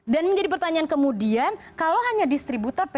dan menjadi pertanyaan kemudian kalau hanya distributor pt spb